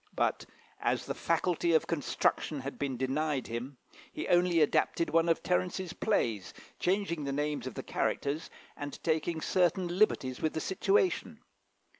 But, as the faculty of construction had been denied him, he only adapted one of Terence's plays, changing the names of the characters, and taking certain liberties with the situations.